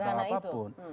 bukan soal apapun